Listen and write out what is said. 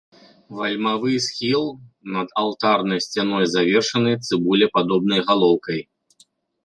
Вальмавы схіл над алтарнай сцяной завершаны цыбулепадобнай галоўкай.